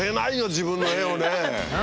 自分の画をね。